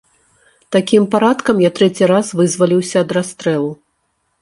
Такім парадкам я трэці раз вызваліўся ад расстрэлу.